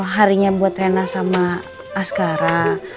harinya buat hena sama askara